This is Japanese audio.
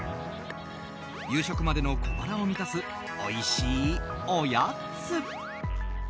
夕食までの小腹を満たすおいしいおやつ。